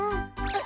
あ！